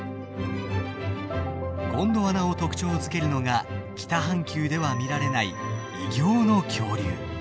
ゴンドワナを特徴づけるのが北半球では見られない異形の恐竜。